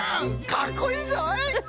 かっこいいぞい！